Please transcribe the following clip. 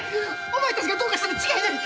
お前たちがどうかしたに違いない。